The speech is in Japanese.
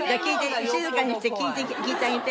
静かにして聞いてあげて。